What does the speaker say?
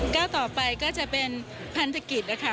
เก้าต่อไปก็จะเป็นพันธกิจ